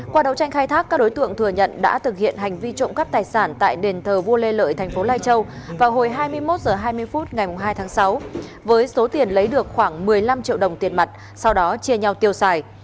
qua đấu tranh khai thác các đối tượng thừa nhận đã thực hiện hành vi trộm cắp tài sản tại đền thờ vua lê lợi thành phố lai châu vào hồi hai mươi một h hai mươi phút ngày hai tháng sáu với số tiền lấy được khoảng một mươi năm triệu đồng tiền mặt sau đó chia nhau tiêu xài